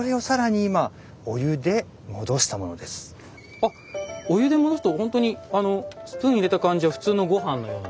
あっお湯で戻すとほんとにあのスプーン入れた感じは普通のごはんのような。